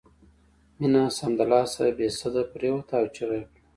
مينه سمدلاسه بې سده پرېوته او چيغه یې کړه